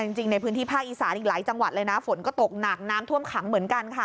จริงในพื้นที่ภาคอีสานอีกหลายจังหวัดเลยนะฝนก็ตกหนักน้ำท่วมขังเหมือนกันค่ะ